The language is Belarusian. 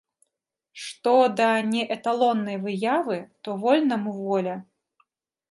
Што да неэталоннай выявы, то вольнаму воля.